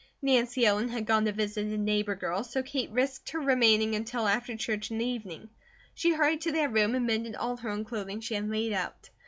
Nancy Ellen had gone to visit a neighbour girl, so Kate risked her remaining until after church in the evening. She hurried to their room and mended all her own clothing she had laid out.